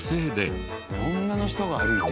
女の人が歩いて。